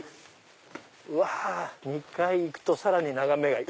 うわ２階行くとさらに眺めがいい。